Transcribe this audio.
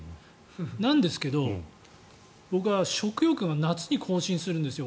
なんですけど、僕は食欲が夏に更新するんですよ。